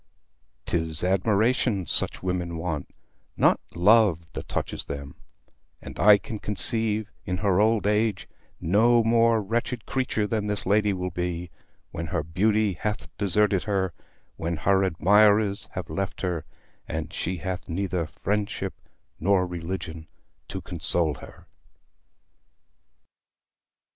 'Tis admiration such women want, not love that touches them; and I can conceive, in her old age, no more wretched creature than this lady will be, when her beauty hath deserted her, when her admirers have left her, and she hath neither friendship nor religion to console her.